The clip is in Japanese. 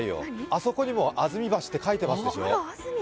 あそこにも安住橋って書いてますでしょう？